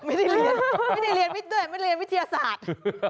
ไม่ได้เรียนวิทยาศาสตร์